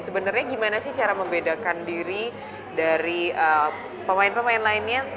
sebenarnya gimana sih cara membedakan diri dari pemain pemain lainnya